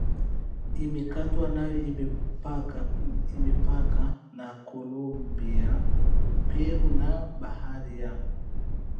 imekatwa nayo Imepakana na Kolombia Peru na Bahari ya